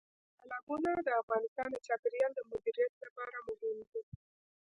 تالابونه د افغانستان د چاپیریال د مدیریت لپاره مهم دي.